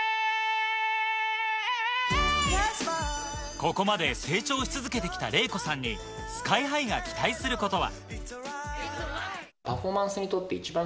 ここまで成長し続けて来たレイコさんにＳＫＹ−ＨＩが期待することは。